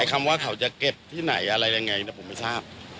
คำว่าเขาจะเก็บที่ไหนอะไรยังไงผมไม่ทราบ